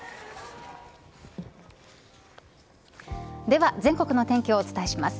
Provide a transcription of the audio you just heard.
では、全国の天気をお伝えします。